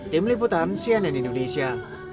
tim liputan cnn indonesia